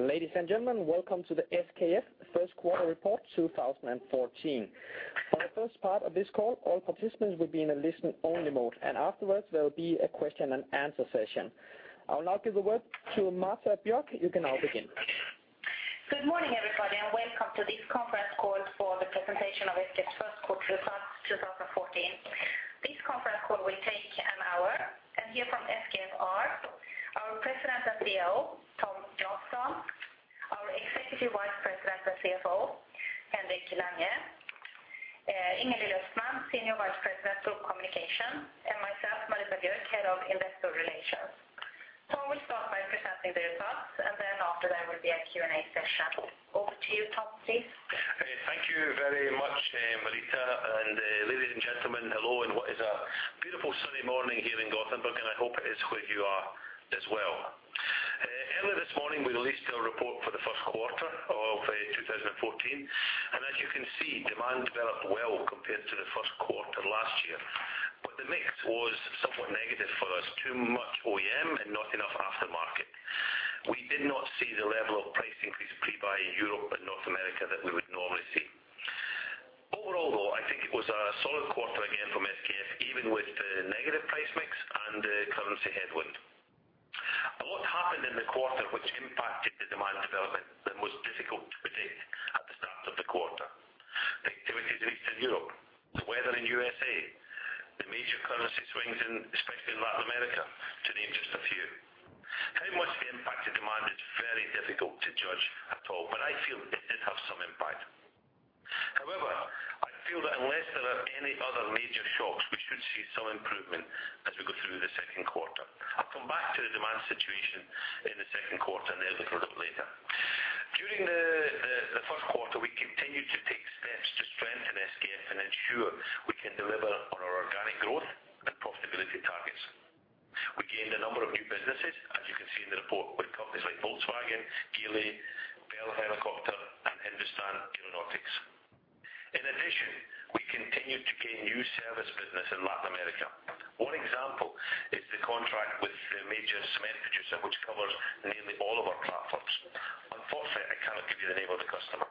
Ladies and gentlemen, welcome to the SKF first quarter report 2014. For the first part of this call, all participants will be in a listen-only mode, and afterwards, there will be a question-and-answer session. I will now give the word to Marita Björk. You can now begin. Good morning, everybody, and welcome to this conference call for the presentation of SKF's first quarter results 2014. This conference call will take an hour, and here from SKF are our President and CEO, Tom Johnstone, our Executive Vice President and CFO, Henrik Lange, Ingalill Östman, Senior Vice President of Group Communications, and myself, Marita Björk, Head of Investor Relations. Tom will start by presenting the results, and then after, there will be a Q&A session. Over to you, Tom, please. Thank you very much, Marita. Ladies and gentlemen, hello, in what is a beautiful, sunny morning here in Gothenburg, and I hope it is where you are as well. Early this morning, we released our report for the first quarter of 2014, and as you can see, demand developed well compared to the first quarter last year. But the mix was somewhat negative for us, too much OEM and not enough aftermarket. We did not see the level of price increase pre-buy in Europe and North America that we would normally see. Overall, though, I think it was a solid quarter again from SKF, even with the negative price mix and the currency headwind. A lot happened in the quarter which impacted the demand development and was difficult to predict at the start of the quarter. The activities in Eastern Europe, the weather in USA, the major currency swings in, especially in Latin America, to name just a few. How much the impact to demand is very difficult to judge at all, but I feel it did have some impact. However, I feel that unless there are any other major shocks, we should see some improvement as we go through the second quarter. I'll come back to the demand situation in the second quarter in a little later. During the first quarter, we continued to take steps to strengthen SKF and ensure we can deliver on our organic growth and profitability targets. We gained a number of new businesses, as you can see in the report, with companies like Volkswagen, Geely, Bell Helicopter, and Hindustan Aeronautics. In addition, we continued to gain new service business in Latin America. One example is the contract with the major cement producer, which covers nearly all of our platforms. Unfortunately, I cannot give you the name of the customer.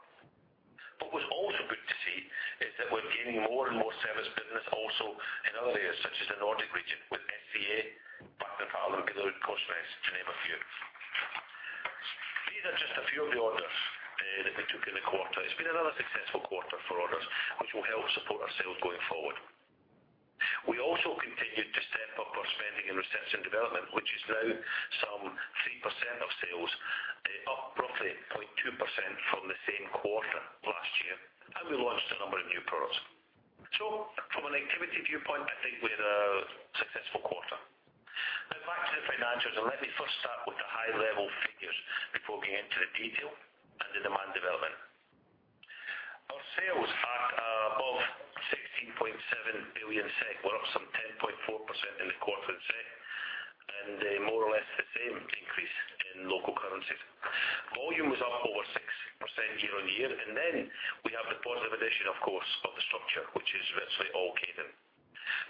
What was also good to see is that we're gaining more and more service business also in other areas, such as the Nordic region, with SCA, Bakker Bardahl, and PostNord, to name a few. These are just a few of the orders that we took in the quarter. It's been another successful quarter for orders, which will help support our sales going forward. We also continued to step up our spending in research and development, which is now some 3% of sales, up roughly 0.2% from the same quarter last year, and we launched a number of new products. So from an activity viewpoint, I think we had a successful quarter. Now, back to the financials, and let me first start with the high-level figures before we get into the detail and the demand development. Our sales are above 16.7 billion SEK. We're up some 10.4% in the quarter in SEK, and more or less the same increase in local currencies. Volume was up over 6% year-on-year, and then we have the positive addition, of course, of the structure, which is virtually all Kaydon. Maybe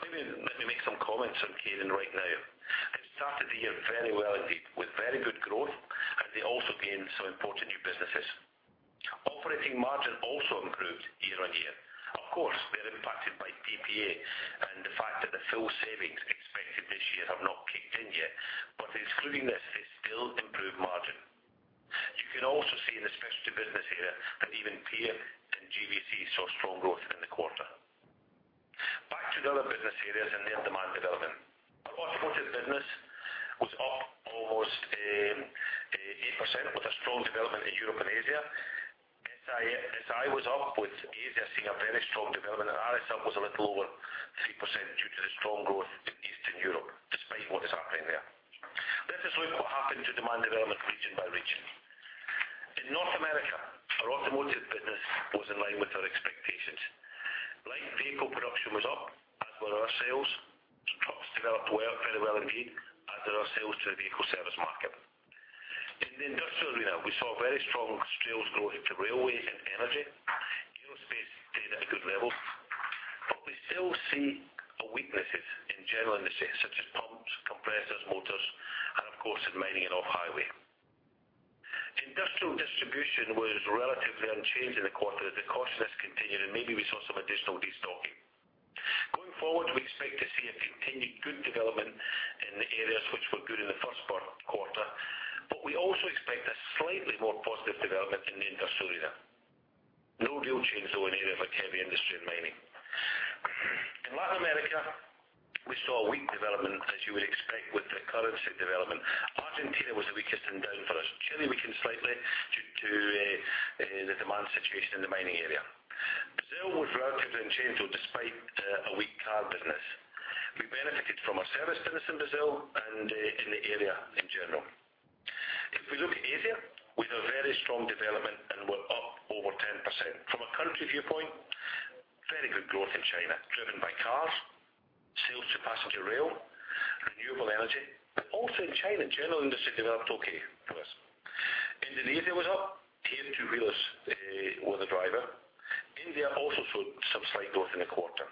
let me make some comments on Kaydon right now. It started the year very well, indeed, with very good growth, and they also gained some important new businesses. Operating margin also improved year-on-year. Of course, we are impacted by PPA and the fact that the full savings expected this year have not kicked in yet, but excluding this, it's still improved margin. You can also see in the specialty business area that even PA and GVC saw strong growth in the quarter. Back to the other business areas and their demand development. Our automotive business was up almost 8%, with a strong development in Europe and Asia. SI was up, with Asia seeing a very strong development, and RSS was a little over 3% due to the strong growth in Eastern Europe, despite what is happening there. Let us look what happened to demand development, region by region. In North America, our automotive business was in line with our expectations. Light vehicle production was up, as were our sales. Trucks developed well, very well, indeed, and our sales to the vehicle service market. In the industrial arena, we saw very strong sales growth to railway and energy. Aerospace stayed at a good level, but we still see weaknesses in general industries such as pumps, compressors, motors, and of course, in mining and off-highway. Industrial distribution was relatively unchanged in the quarter. The cautiousness continued, and maybe we saw some additional destocking. Going forward, we expect to see a continued good development in the areas which were good in the first quarter, but we also expect a slightly more positive development in the industrial arena. No real change, though, in areas like heavy industry and mining. In Latin America, we saw a weak development, as you would expect with the currency development. Argentina was the weakest and down for us. Chile weakened slightly due to the demand situation in the mining area. Brazil was relatively unchanged, though, despite a weak car business. We benefited from our service business in Brazil and in the area in general. If we look at Asia, we had a very strong development, and we're up over 10%. From a country viewpoint, very good growth in China, driven by cars, sales to passenger rail, renewable energy. But also in China, general industry developed okay for us. India also showed some slight growth in the quarter.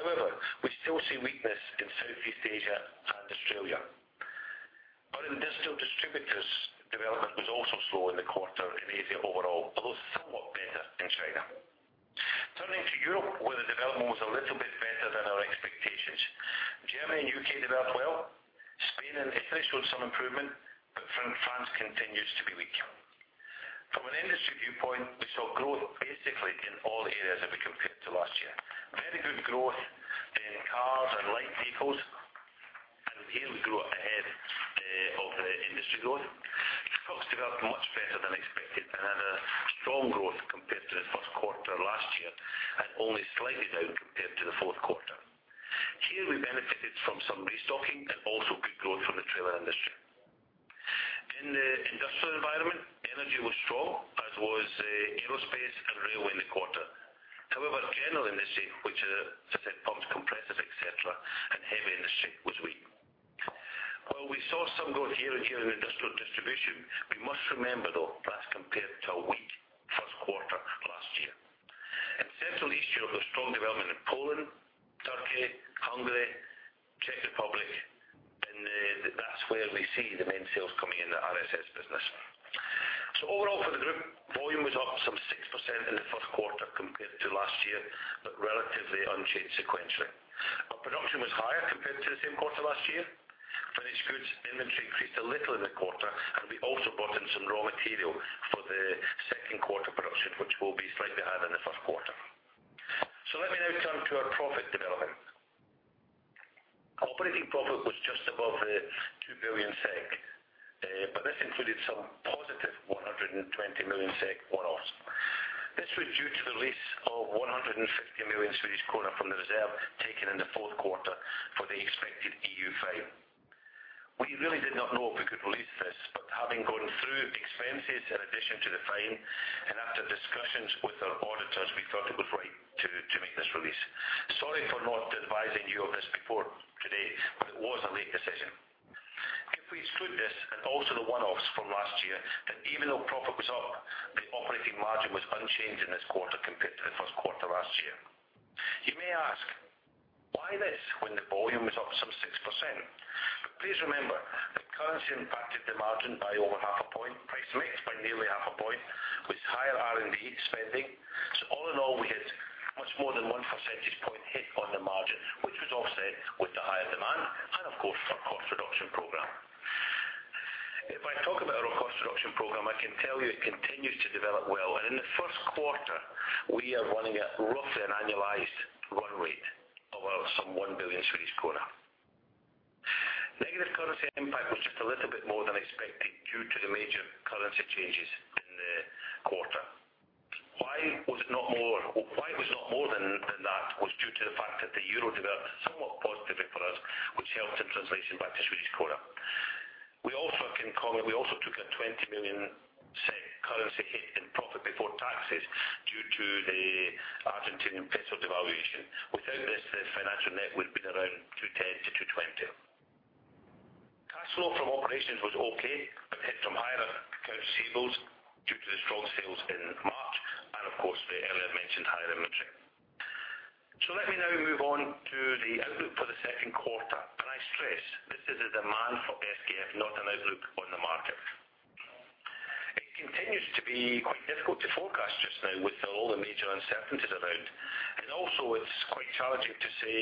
However, we still see weakness in Southeast Asia and Australia. But in industrial distributors, development was also slow in the quarter in Asia overall, although somewhat better in China. Turning to Europe, where the development was a little bit better than our expectations. Germany and U.K. developed well. Spain and Italy showed some improvement, but France continues to be weak. From an industry viewpoint, we saw growth basically in all areas if we compare it to last year. Very good growth in cars and light vehicles, and here we grew ahead of the industry growth. Trucks developed much better than expected and had a strong growth compared to the first quarter last year, and only slightly down compared to the fourth quarter. Here, we benefited from some restocking and also good growth from the trailer industry. In the industrial environment, energy was strong, as was aerospace and railway in the quarter. However, general industry, which pumps, compressors, et cetera, and heavy industry was weak. While we saw some growth year-on-year in industrial distribution, we must remember, though, that's compared to a weak first quarter last year. In Central East Europe, there was strong development in Poland, Turkey, Hungary, Czech Republic, and that's where we see the main sales coming in the RSS business. So overall for the group, volume was up some 6% in the first quarter compared to last year, but relatively unchanged sequentially. Our production was higher compared to the same quarter last year. Finished goods inventory increased a little in the quarter, and we also brought in some raw material for the second quarter production, which will be slightly higher than the first quarter. So let me now turn to our profit development. Operating profit was just above 2 billion SEK, but this included some positive 120 million SEK one-offs. This was due to the release of 150 million Swedish kronor from the reserve taken in the fourth quarter for the expected EU fine. We really did not know if we could release this, but having gone through expenses in addition to the fine and after discussions with our auditors, we thought it was right to make this release. Sorry for not advising you of this before today, but it was a late decision. If we exclude this and also the one-offs from last year, then even though profit was up, the operating margin was unchanged in this quarter compared to the first quarter last year. You may ask, why this, when the volume was up some 6%? But please remember, the currency impacted the margin by over half a point, price mix by nearly half a point, with higher R&D spending. So all in all, we had much more than one percentage point hit on the margin, which was offset with the higher demand and of course, our cost reduction program. If I talk about our cost reduction program, I can tell you it continues to develop well, and in the first quarter, we are running at roughly an annualized run-rate of some SEK 1 billion. Negative currency impact was just a little bit more than expected due to the major currency changes in the quarter. Why was it not more? Why it was not more than, than that was due to the fact that the euro developed somewhat positively for us, which helped in translation back to Swedish krona. We also took a 20 million currency hit in profit before taxes, due to the Argentinian peso devaluation. Without this, the financial net would have been around 210-220. Cash flow from operations was okay, but hit from higher accounts receivables due to the strong sales in March and of course, the earlier mentioned higher inventory. So let me now move on to the outlook for the second quarter, and I stress, this is a demand for SKF, not an outlook on the market. It continues to be quite difficult to forecast just now with all the major uncertainties around. And also it's quite challenging to say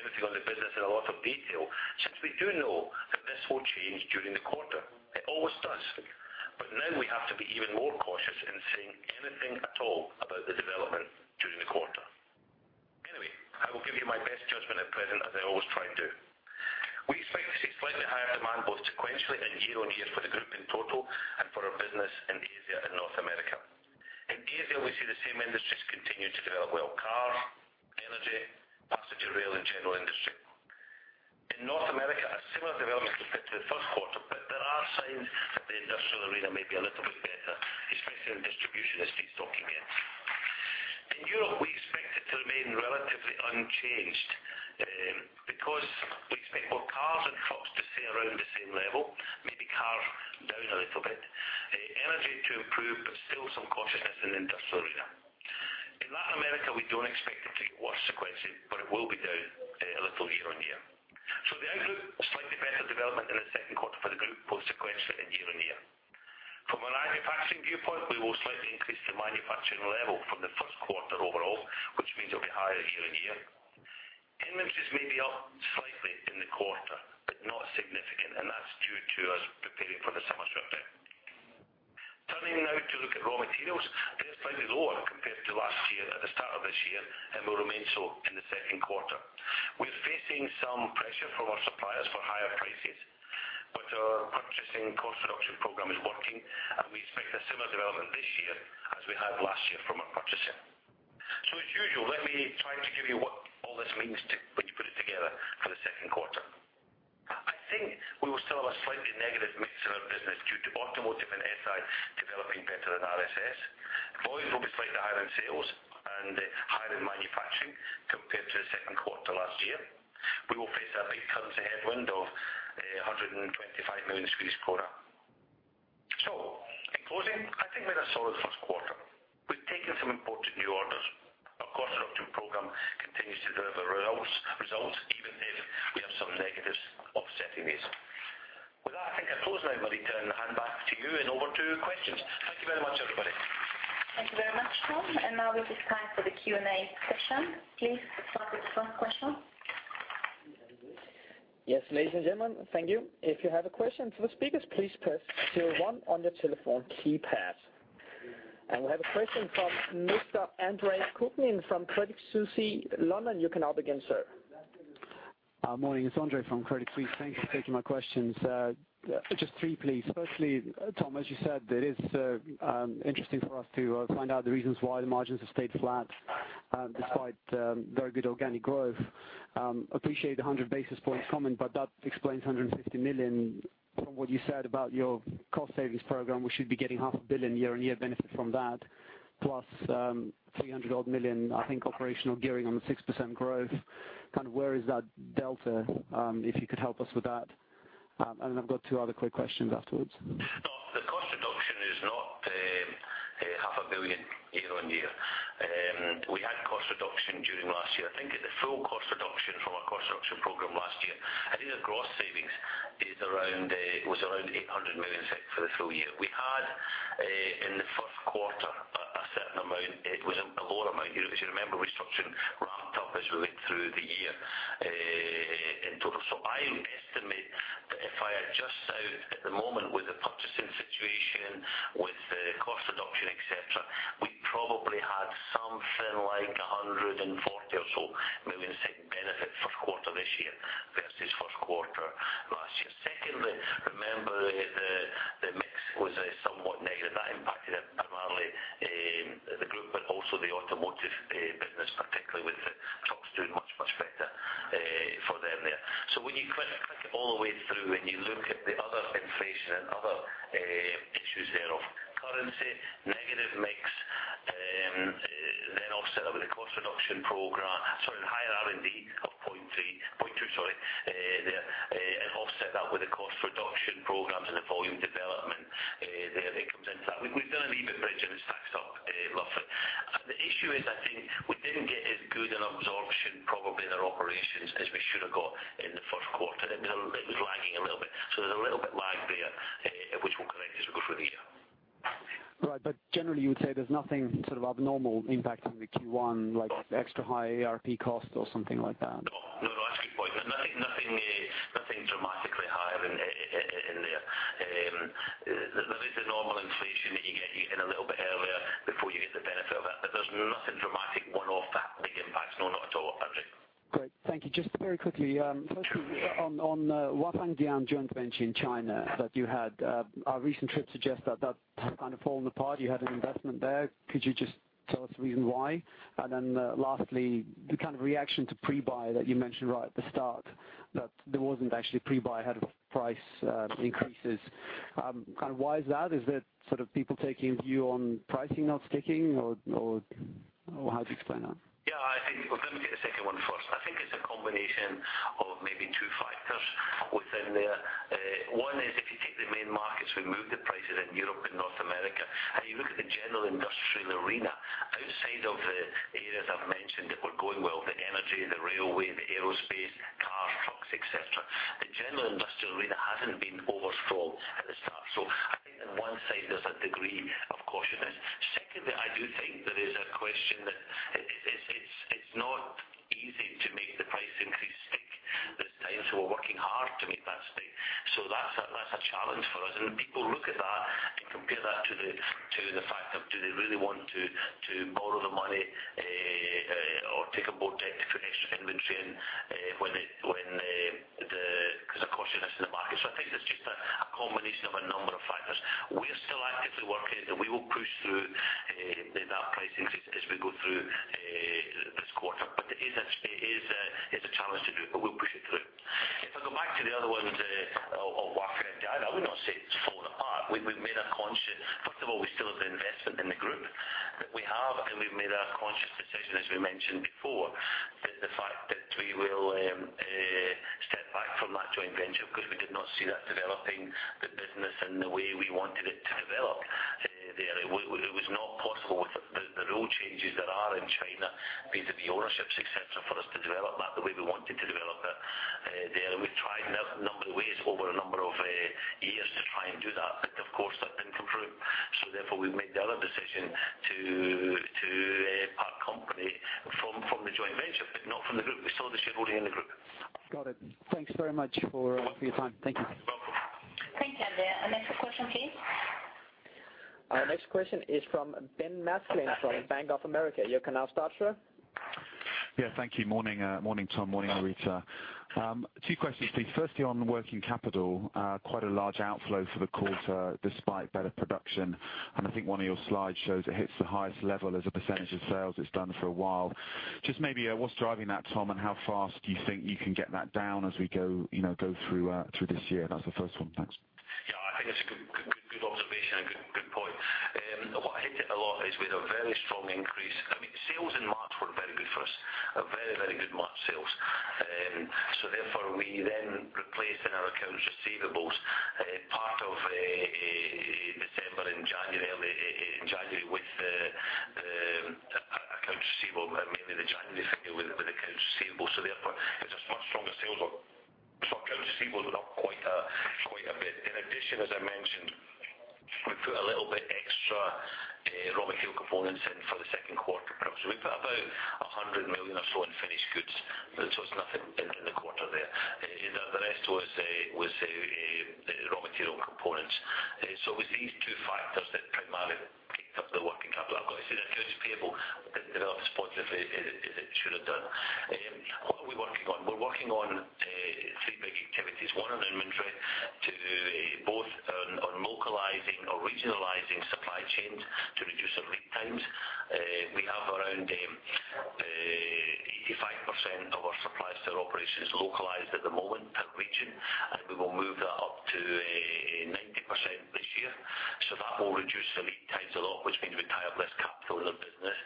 everything on the business in a lot of detail, since we do know that this will change during the quarter. It always does. But now we have to be even more cautious in saying anything at all about the development during the quarter. Anyway, I will give you my best judgment at present, as I always try and do. We expect to see slightly higher demand, both sequentially and year-on-year for the group in total and for our business in Asia and North America. In Asia, we see the same industries continuing to develop well: cars, energy, passenger rail, and general industry. In North America, a similar development compared to the first quarter, but there are signs that the industrial arena may be a little bit better, especially in distribution as restocking ends. In Europe, we expect it to remain relatively unchanged, because we expect both cars and trucks to stay around the same level, maybe cars down a little bit. Energy to improve, but still some cautiousness in the industrial arena. In Latin America, we don't expect it to get worse sequentially, but it will be down a little year-on-year. So the outlook, slightly better development in the second quarter for the group, both sequentially and year-over-year. From a manufacturing viewpoint, we will slightly increase the manufacturing level from the first quarter overall, which means it will be higher year-over-year. Inventories may be up slightly in the quarter, but not significant, and that's due to us preparing for the summer shutdown. Turning now to look at raw materials, they're slightly lower compared to last year at the start of this year, and will remain so in the second quarter. We're facing some pressure from our suppliers for higher prices, but our purchasing cost reduction program is working, and we expect a similar development this year as we had last year from our purchasing. So as usual, let me try to give you what all this means to when you put it together for the second quarter. I think we will still have a slightly negative mix in our business due to automotive and SI developing better than RSS. Volumes will be slightly higher in sales and higher in manufacturing.... to last year, we will face a big currency headwind of 125 million. So in closing, I think we had a solid first quarter. We've taken some important new orders. Our cost reduction program continues to deliver results, results, even if we have some negatives offsetting this. With that, I think I close now, Marita, and hand back to you and over to questions. Thank you very much, everybody. Thank you very much, Tom, and now it is time for the Q&A session. Please start with the first question. Yes, ladies and gentlemen, thank you. If you have a question for the speakers, please press star one on your telephone keypad. We have a question from Mr. Andre Kukhnin from Credit Suisse, London. You can now begin, sir. Morning, it's Andre from Credit Suisse. Thanks for taking my questions. Just three, please. Firstly, Tom, as you said, it is interesting for us to find out the reasons why the margins have stayed flat, despite very good organic growth. Appreciate the 100 basis points comment, but that explains 150 million from what you said about your cost savings program. We should be getting 500 million year-on-year benefit from that, plus 300 million, I think, operational gearing on the 6% growth. Kind of where is that delta? If you could help us with that. And I've got two other quick questions afterwards. No, the cost reduction is not 500 million year-on-year. We had cost reduction during last year. I think the full cost reduction from our cost reduction program last year, I think the gross savings was around 800 million for the full year. We had in the first quarter a certain amount. It was a lower amount. As you remember, restructuring ramped up as we went through the year in total. So I estimate that if I adjust out at the moment with the purchasing situation, with the cost reduction, et cetera, we probably had something like 140 million or so in benefit first quarter this year versus first quarter last year. Secondly, remember, the mix was somewhat negative. That impacted it, primarily, the group, but also the automotive, business, particularly with trucks doing much, much better, for them there. So when you click it all the way through, and you look at the other inflation and other, tell us the reason why? And then, lastly, the kind of reaction to pre-buy that you mentioned right at the start, that there wasn't actually pre-buy ahead of price increases. Kind of why is that? Is that sort of people taking a view on pricing not sticking, or, or, or how do you explain that? Yeah, I think, let me get the second one first. I think it's a combination of maybe two factors within there. One is, if you take the main markets, we moved the prices in Europe and North America, and you look at the general industrial arena, outside of the areas I've mentioned that were going well, the energy, the railway, the aerospace, cars, trucks, et cetera, the general industrial arena hasn't been overly strong at the start. So I think on one side, there's a degree of caution there. Secondly, I do think there is a question that it's not easy to make the price increase stick this time, so we're working hard to make that stick. So that's a challenge for us. When people look at that and compare that to the fact of do they really want to borrow the money, or take a board deck to put extra inventory in, when they... Because of caution that's in the market. So I think it's just a combination of a number of factors. We're still actively working, and we will push through that price increase as we go through this quarter. But it is a challenge to do, but we'll push it through. If I go back to the other one, of Wafangdian, I would not say it's fallen apart. First of all, we still have the investment in the group that we have, and we've made a conscious decision, as we mentioned before, that the fact that we will step back from that joint venture because we did not see that developing the business in the way we wanted it to develop there. It was not possible with the rule changes there are in China, vis-à-vis ownerships, et cetera, for us to develop that the way we wanted to develop it there. We've tried a number of ways over a number of years to try and do that, but of course, that didn't come through. So therefore, we've made the other decision to part company from the joint venture, but not from the group. We still have the shareholding in the group. Got it. Thanks very much for your time. Thank you. You're welcome. Thank you, Andre. Our next question, please. Our next question is from Ben Maslen from Bank of America. You can now start, sir. Yeah, thank you. Morning, morning, Tom. Morning, Marita. Two questions, please. Firstly, on working capital, quite a large outflow for the quarter despite better production, and I think one of your slides shows it hits the highest level as a percentage of sales it's done for a while. Just maybe, what's driving that, Tom, and how fast do you think you can get that down as we go, you know, go through, through this year? That's the first one. Thanks. Yeah, I think that's a good, good, good observation and good, good point... a very strong increase. I mean, sales in March were very good for us, a very, very good March sales. So therefore, we then replaced in our accounts receivable, a part of December and January, early in January with the account receivable, mainly the January figure with the accounts receivable. So therefore, it's a strong sales or so accounts receivable are up quite a, quite a bit. In addition, as I mentioned, we put a little bit extra raw material components in for the second quarter. So we put about 100 million or so in finished goods, so it's nothing in the quarter there. The rest was raw material components. So it was these two factors that primarily kept up the working capital. I've got to say accounts payable developed as positively as it should have done. What are we working on? We're working on three big activities. One on inventory, on localizing or regionalizing supply chains to reduce our lead times. We have around 85% of our suppliers to our operations localized at the moment per region, and we will move that up to 90% this year. So that will reduce the lead times a lot, which means we tie up less capital in the business.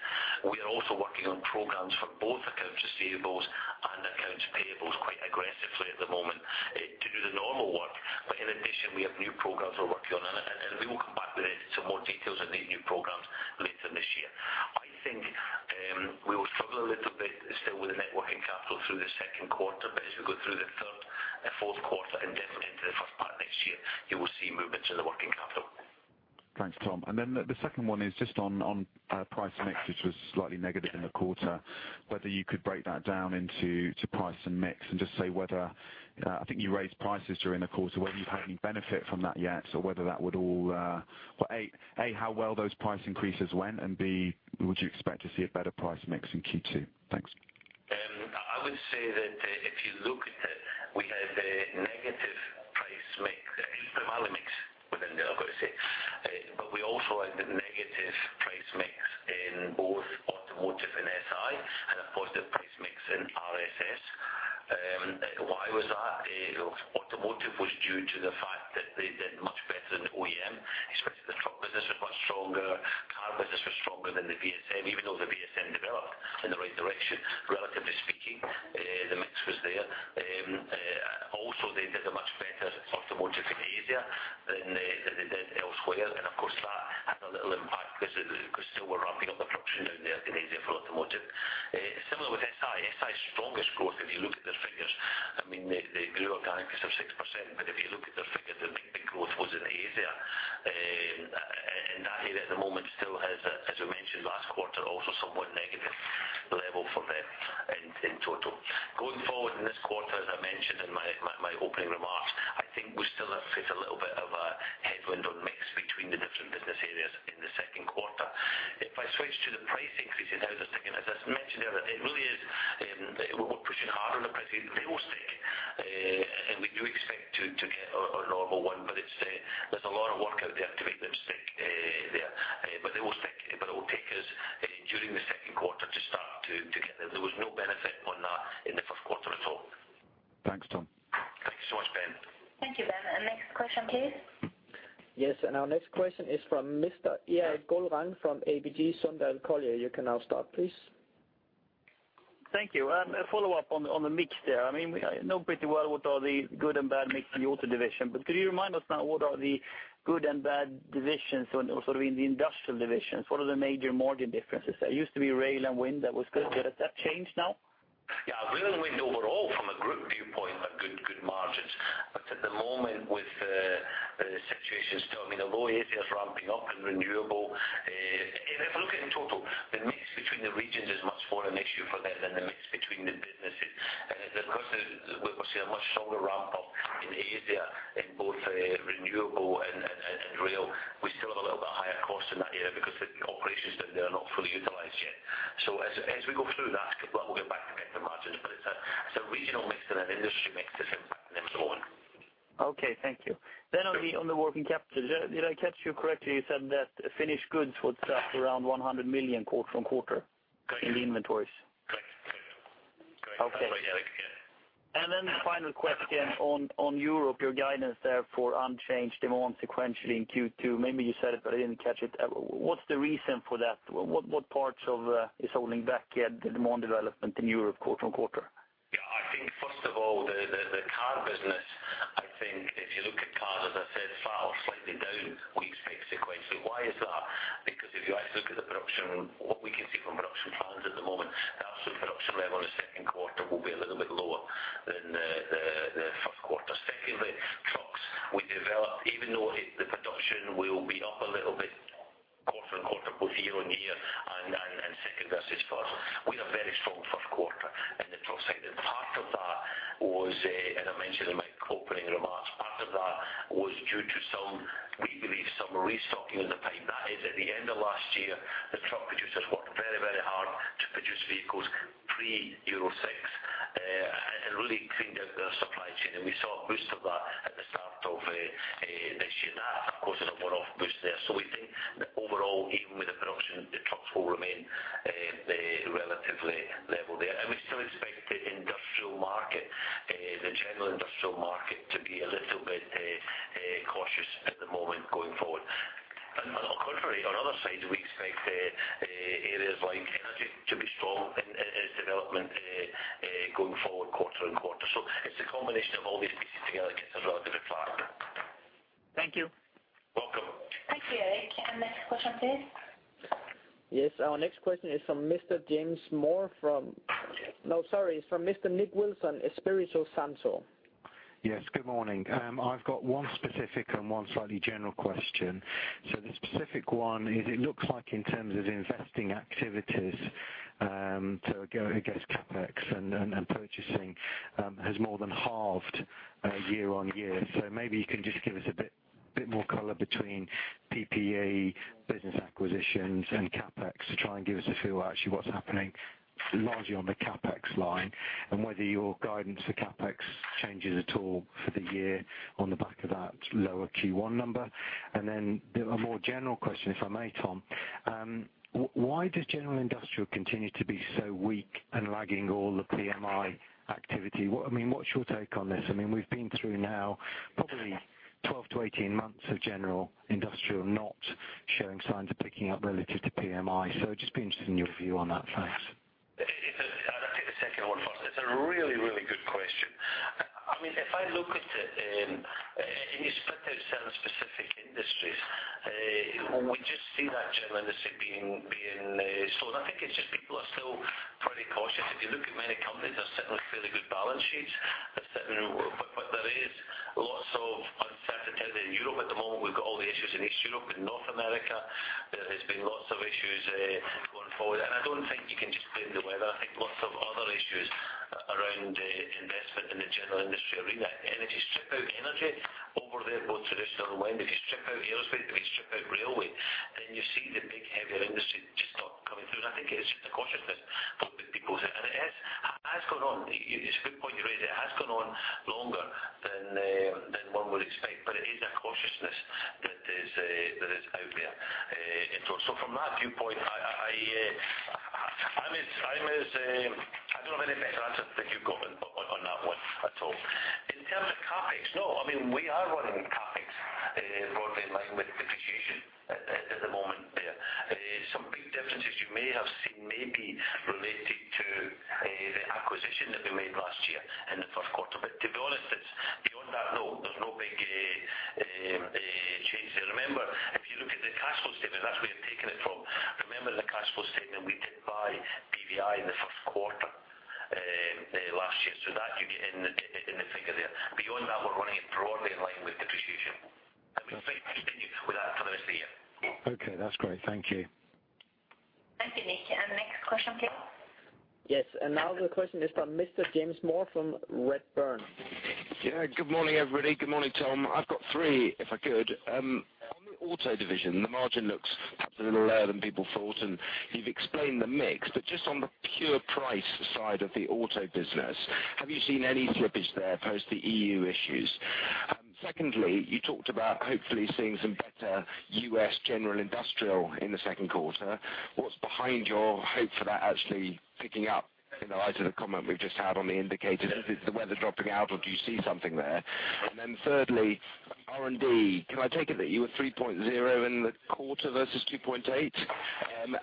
We are also working on programs for both accounts receivables and accounts payables quite aggressively at the moment, to do the normal work. But in addition, we have new programs we're working on, and we will come back with some more details on these new programs later this year. I think, we will struggle a little bit still with the net working capital through the second quarter. But as we go through the third and fourth quarter and into the first part of next year, you will see movements in the working capital. Thanks, Tom. And then the second one is just on price mix, which was slightly negative in the quarter. Whether you could break that down into price and mix and just say whether I think you raised prices during the quarter, whether you've had any benefit from that yet, or whether that would all... Well, A, how well those price increases went, and B, would you expect to see a better price mix in Q2? Thanks. I would say that if you look at it, we had a negative price mix, primarily mix within there, I've got to say. But we also had a negative price mix in both Automotive and SI, and a positive price mix in RSS. Why was that? Automotive was due to the fact that they did much better than the OEM, especially the truck business was much stronger, car business was stronger than the VSM, even though the VSM developed in the right direction, relatively speaking, the mix was there. Also they did a much better Automotive in Asia than they, they did elsewhere. And of course, that had a little impact because still we're ramping up the production down there in Asia for Automotive. Similar with SI. SI's strongest growth, if you look at their figures, I mean, the organic is up 6%, but if you look at their figures, the big, big growth was in Asia. And that area at the moment still has, as we mentioned last quarter, also somewhat negative level for them in total. Going forward in this quarter, as I mentioned in my opening remarks, I think we still face a little bit Yeah, rail and wind overall from a group viewpoint are good, good margins. But at the moment, with the situation still, I mean, the low Asia is ramping up and renewable. If you look at in total, the mix between the regions is much more an issue for them than the mix between the businesses. And of course, we'll see a much stronger ramp up in Asia in both, renewable and rail. We still have a little bit higher cost in that area because the operations down there are not fully utilized yet. So as we go through that, we'll get back to better margins, but it's a regional mix and an industry mix that's impacting them on. Okay, thank you. Then on the working capital, did I catch you correctly? You said that finished goods was up around 100 million quarter on quarter- Correct. in the inventories. Correct. Okay. Yeah. And then final question on, on Europe, your guidance there for unchanged demand sequentially in Q2. Maybe you said it, but I didn't catch it. What's the reason for that? What, what parts of, is holding back the demand development in Europe quarter on quarter? Yeah, I think first of all, the car business, I think if you look at car, as I said, flat or slightly down, we expect sequentially. Why is that? Because if you actually look at the production, what we can see from production plans at the moment, the absolute production level in the second quarter will be a little bit lower than the first quarter. Secondly, trucks will develop, even though the production will be up a little bit quarter on quarter, both year on year and second versus first. We had a very strong first quarter in the truck segment. Part of that was, and I mentioned in my opening remarks, part of that was due to some, we believe, some restocking in the pipe. That is, at the end of last year, the truck producers worked very, very hard to produce vehicles pre-Euro 6, and really cleaned out their supply chain. And we saw a boost of that at the start of this year. Of course, it's a one-off boost there. So we think that overall, even with the production, the trucks will remain relatively... market, the general industrial market to be a little bit cautious at the moment going forward. And, on contrary, on other sides, we expect areas like energy to be strong in its development going forward quarter and quarter. So it's a combination of all these pieces together gives a rather different factor. Thank you. Welcome. Thank you, Erik. And next question, please. Yes, our next question is from Mr. James Moore from—no, sorry, it's from Mr. Nick Wilson, Espírito Santo. Yes, good morning. I've got one specific and one slightly general question. The specific one is it looks like in terms of investing activities, so go against CapEx and purchasing has more than halved year-on-year. So maybe you can just give us a bit more color between PPE, business acquisitions, and CapEx to try and give us a feel actually what's happening largely on the CapEx line and whether your guidance for CapEx changes at all for the year on the back of that lower Q1 number. Then a more general question, if I may, Tom. Why does general industrial continue to be so weak and lagging all the PMI activity? I mean, what's your take on this? I mean, we've been through now probably 12-18 months of general industrial, not showing signs of picking up relative to PMI. So just be interested in your view on that. Thanks. I'll take the second one first. It's a really, really good question. I mean, if I look at it, and you split out certain specific industries, we just see that general industry being slow. I think it's just people are still pretty cautious. If you look at many companies, they're sitting with fairly good balance sheets. They're sitting... But there is lots of uncertainty in Europe at the moment. We've got all the issues in Eastern Europe and North America. There has been lots of issues going forward, and I don't think you can just blame the weather. I think lots of other issues around investment in the general industry arena. Energy, strip out energy over there, both traditional and wind. If you strip out aerospace, if you strip out railway, then you see the big, heavier industry just not coming through. I think it's just a cautiousness from the people. It has gone on. It's a good point you raise. It has gone on longer than one would expect, but it is a cautiousness that is out there in total. So from that viewpoint, I don't have any better answer than you've got on that one at all. In terms of CapEx, no, I mean, we are running CapEx broadly in line with depreciation at the moment there. Some big differences you may have seen may be related to the acquisition that we made last year in the first quarter. But to be honest, it's beyond that. No, there's no big change there. Remember, if you look at the cash flow statement, that's where you've taken it from. Remember, the cash flow statement, we did buy BVI in the first quarter last year, so that you get in the figure there. Beyond that, we're running it broadly in line with depreciation, and we expect to continue with that for the rest of the year. Okay, that's great. Thank you. Thank you, Nick. The next question, please. Yes, and now the question is from Mr. James Moore from Redburn. Yeah. Good morning, everybody. Good morning, Tom. I've got three, if I could. On the auto division, the margin looks perhaps a little lower than people thought, and you've explained the mix. But just on the pure price side of the auto business, have you seen any slippage there post the EU issues? Secondly, you talked about hopefully seeing some better U.S. general industrial in the second quarter. What's behind your hope for that actually picking up in the light of the comment we've just had on the indicators? Is it the weather dropping out, or do you see something there? And then thirdly, R&D, can I take it that you were 3.0 in the quarter versus 2.8?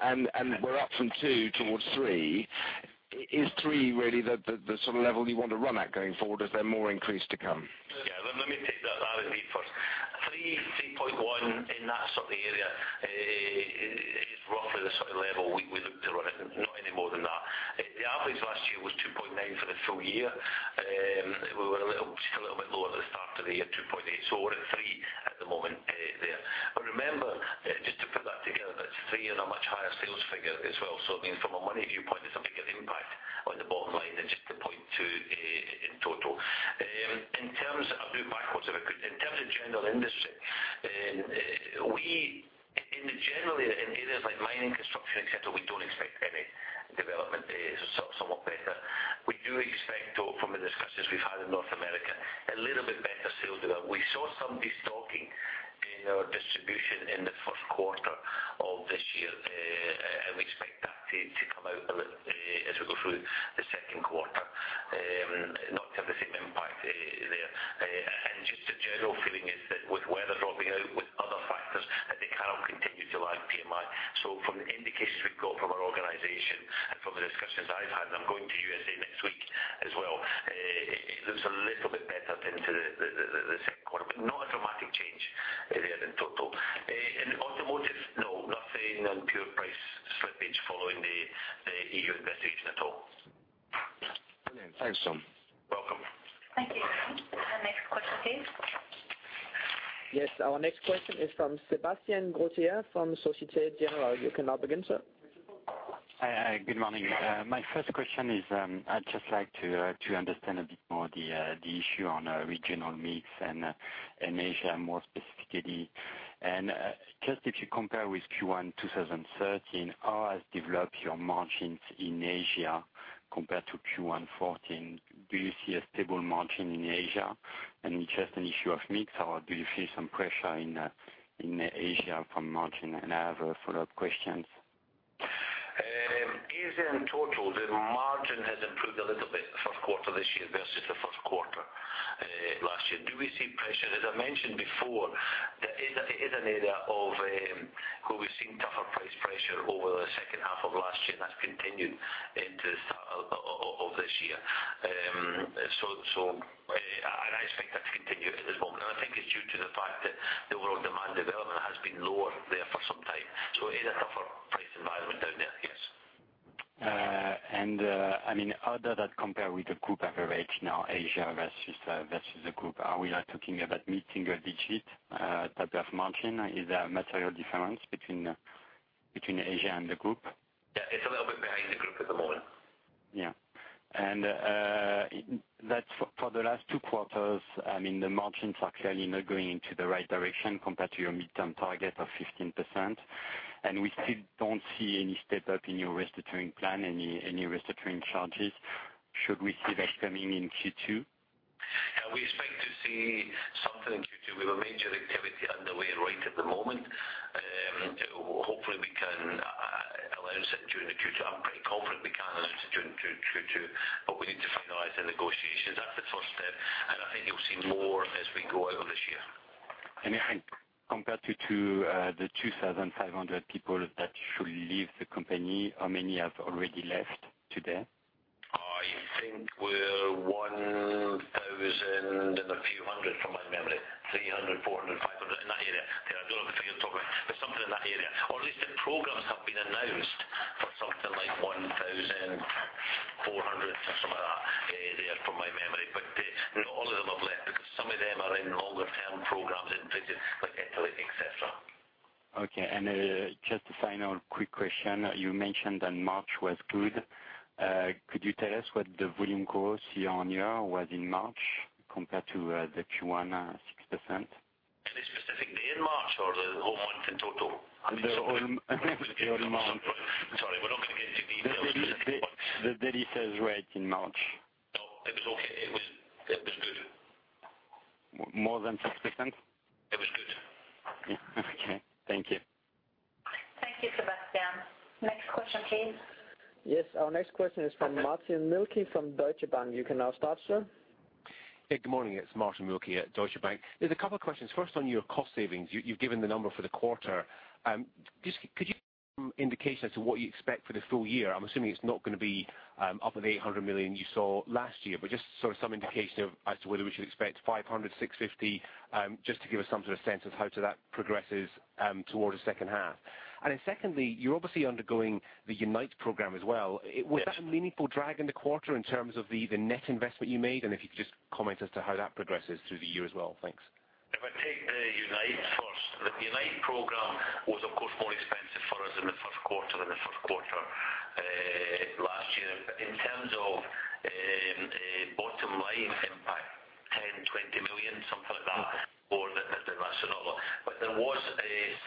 And we're up from two towards three. Is three really the sort of level you want to run at going forward, or is there more increase to come? Yeah, let me take that one first. 3.1, in that sort of area, is roughly the sort of level we look to run it, not any more than that. The average last year was 2.9 for the full year. We were a little, just a little bit lower at the start of the year, 2.8, so we're at three at the moment, there. But remember, just to put that together, that's three and a much higher sales figure as well. So it means from a money viewpoint, it's a bigger impact on the bottom line than just the 0.2, in total. In terms of, I'll do it backwards if I could. In terms of general industry, we... In general, in areas like mining, construction, et cetera, we don't expect any development, so somewhat better. We do expect, though, from the discussions we've had in North America, a little bit better sales development. We saw some destocking in our distribution in the first quarter of this year, and we expect that to come out a little, as we go through the second quarter, not to have the same impact there. And just a general feeling is that with weather dropping out, with other factors, that they cannot continue to lag PMI. So from the indications we've got from our organization and from the discussions I've had, I'm going to USA next week as well. It looks a little bit better into the second quarter, but not a dramatic change there in total. In automotive, no, nothing on pure price slippage following the EU investigation at all. Brilliant. Thanks, Tom. Welcome. Thank you, James. Next question, please. Yes, our next question is from Sebastien Ubert from Société Générale. You can now begin, sir. Hi. Good morning. My first question is, I'd just like to understand a bit more the issue on regional mix and in Asia, more specifically. And just if you compare with Q1 2013, how has developed your margins in Asia compared to Q1 2014? Do you see a stable margin in Asia, and it's just an issue of mix, or do you see some pressure in Asia from margin? And I have a follow-up questions. ... Asia in total, the margin has improved a little bit in the first quarter this year versus the first quarter last year. Do we see pressure? As I mentioned before, there is, it is an area of where we've seen tougher price pressure over the second half of last year, and that's continued into the start of this year. So, and I expect that to continue at this moment. And I think it's due to the fact that the overall demand development has been lower there for some time. So it is a tougher price environment down there, yes. I mean, how does that compare with the group average now, Asia versus the group? Are we, like, talking about mid-single-digit type of margin? Is there a material difference between Asia and the group? Yeah, it's a little bit behind the group at the moment. Yeah. And that's for the last two quarters. I mean, the margins are clearly not going into the right direction compared to your midterm target of 15%. And we still don't see any step up in your restructuring plan, any restructuring charges. Should we see that coming in Q2? Yeah, we expect to see something in Q2. We have a major activity underway right at the moment. Hopefully, we can announce it during the Q2. I'm pretty confident we can announce it during Q2, but we need to finalize the negotiations. That's the first step, and I think you'll see more as we go out this year. I think compared to the 2,500 people that should leave the company, how many have already left to date? I think we're 1,000 and a few hundred, from my memory. 300, 400, 500, in that area. I don't have the figures, but something in that area, or at least the programs have been announced for something like 1,400, or something like that, there from my memory. But, not all of them have left because some of them are in longer-term programs in places like Italy, et cetera. Okay, and, just a final quick question. You mentioned that March was good. Could you tell us what the volume growth year-on-year was in March compared to, the Q1, 6%? In a specific day in March or the whole month in total? The whole, the whole month. Sorry, we're not going to get into the specific months. The daily sales rate in March. Oh, it was okay. It was, it was good. More than 6%? It was good. Okay. Thank you. Thank you, Sebastien. Next question, please. Yes, our next question is from Martin Wilkie from Deutsche Bank. You can now start, sir. Hey, good morning. It's Martin Wilkie at Deutsche Bank. There's a couple of questions. First, on your cost savings, you've given the number for the quarter. Just could you give some indication as to what you expect for the full year? I'm assuming it's not going to be up at 800 million you saw last year, but just sort of some indication of as to whether we should expect 500 million, 650 million, just to give us some sort of sense of how to that progresses towards the second half. And then secondly, you're obviously undergoing the UNITE program as well. Yes. Was that a meaningful drag in the quarter in terms of the net investment you made? And if you could just comment as to how that progresses through the year as well. Thanks. If I take the UNITE first, the UNITE program was, of course, more expensive for us in the first quarter than the first quarter last year. But in terms of bottom line impact, 10 million-20 million, something like that, more than the rational. But there was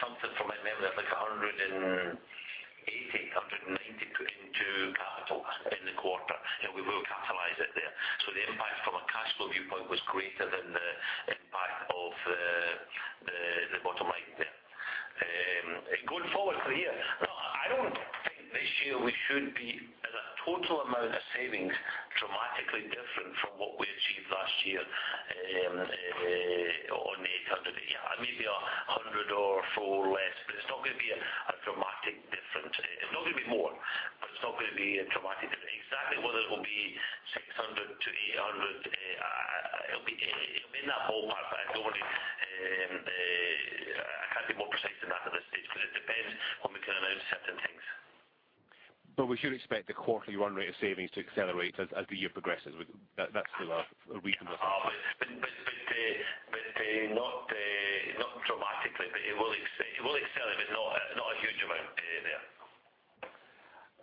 something from my memory, like 180 million -190 million put into capital in the quarter, and we will capitalize it there. So the impact from a cash flow viewpoint was greater than the impact of the bottom line there. Going forward for the year, I don't think this year we should be, as a total amount of savings, dramatically different from what we achieved last year on the SEK 800. Yeah, maybe 104 less, but it's not going to be a dramatic difference. It's not going to be more, but it's not going to be a dramatic difference. Exactly whether it will be 600-800, it'll be, it'll be in that ballpark, but I don't want to, I can't be more precise than that at this stage, but it depends when we can announce certain things. But we should expect the quarterly run-rate of savings to accelerate as the year progresses. That's still a reasonable- But not dramatically, but it will accelerate, but not a huge amount,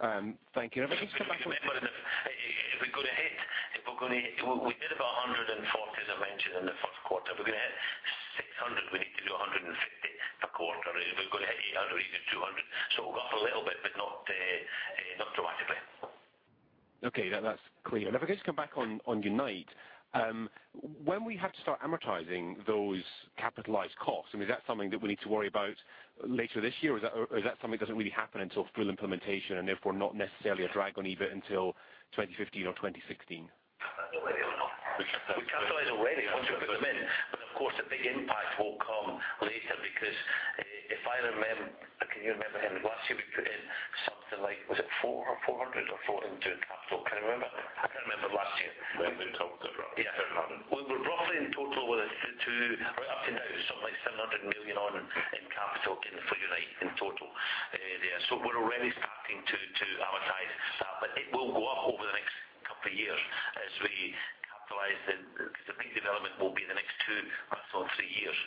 there. Thank you. And if I can just come back to- Remember, if we're going to hit... We did about 140, as I mentioned, in the first quarter. If we're going to hit 600, we need to do 150 per quarter. If we're going to hit 800, we need 200. So we'll go up a little bit, but not dramatically. Okay, that's clear. If I could just come back on UNITE. When we have to start amortizing those capitalized costs, I mean, is that something that we need to worry about later this year, or is that something that doesn't really happen until full implementation, and therefore, not necessarily a drag on EBIT until 2015 or 2016? We capitalize already once we put them in. But of course, the big impact will come later because if I remember, can you remember, Henrik, last year we put in something like, was it 4, 400 or 4 into capital? Can you remember? I can't remember last year. When we talked about... Yeah. 400. We're roughly in total with a two, up to now, something like 700 million in capital in for UNITE in total. So we're already starting to amortize that, but it will go up over the next couple of years as we capitalize the... Because the peak development will be the next two, possibly three years.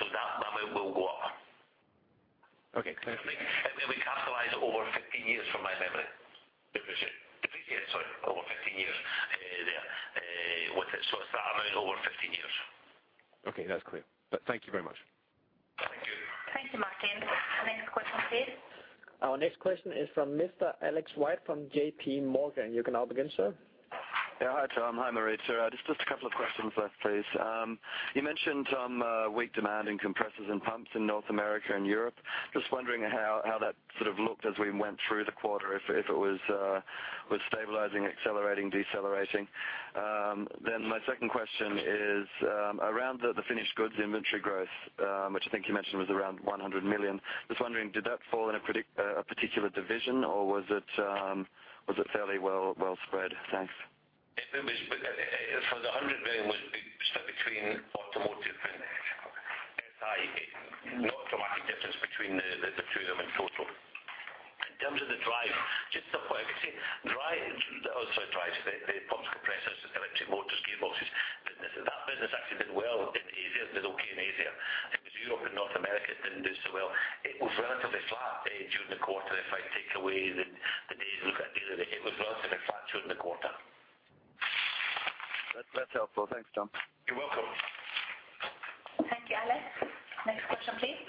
So that amount will go up. Okay, clear. We capitalize over 15 years from my memory. Depreciation. Depreciation, sorry, over 15 years, there, with it. So it's that amount over 15 years. Okay, that's clear. But thank you very much. Thank you. Thank you, Martin. Next question, please. Our next question is from Mr. Alex White from JPMorgan. You can now begin, sir. ... Yeah. Hi, Tom. Hi, Marita. Just, just a couple of questions left, please. You mentioned some weak demand in compressors and pumps in North America and Europe. Just wondering how that sort of looked as we went through the quarter, if it was stabilizing, accelerating, decelerating? Then my second question is around the finished goods inventory growth, which I think you mentioned was around 100 million. Just wondering, did that fall in a particular division, or was it fairly well spread? Thanks. It was so the 100 million was split between automotive and SI. Not a dramatic difference between the two of them in total. In terms of the drive, just the way I could say, drive, sorry, drives, the pumps, compressors, electric motors, gearboxes, business. That business actually did well in Asia, did okay in Asia. It was Europe and North America didn't do so well. It was relatively flat during the quarter. If I take away the days, look at it, it was relatively flat during the quarter. That's helpful. Thanks, Tom. You're welcome. Thank you, Alex. Next question, please.